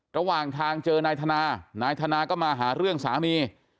ระหว่างทางเจอนายธนานายธนาก็มาหาเรื่องสามี